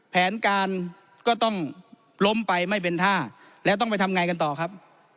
แผนการก็ต้องล้มไปไม่เป็นท่าแล้วต้องไปทำไงกันต่อครับ